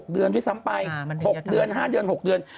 ๕เดือน๖เดือน